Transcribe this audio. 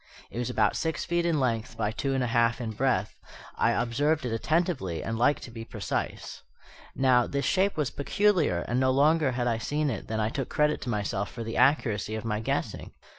It was about six feet in length by two and a half in breadth: I observed it attentively and like to be precise. Now, this shape was peculiar; and no sooner had I seen it than I took credit to myself for the accuracy of my guessing.